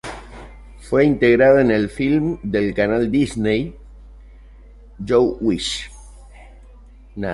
Fue integrada en el film del canal Disney, You Wish!.